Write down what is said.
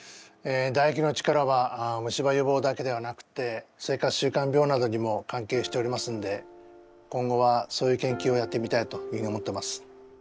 だ液の力は虫歯予防だけではなくて生活習慣病などにも関係しておりますんで今後はそういう研究をやってみたいというふうに思ってます。